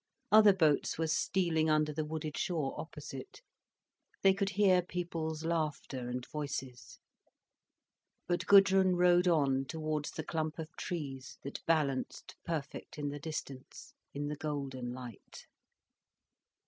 Other boats were stealing under the wooded shore opposite, they could hear people's laughter and voices. But Gudrun rowed on towards the clump of trees that balanced perfect in the distance, in the golden light.